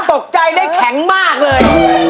ทำแบบหนุงมากเลย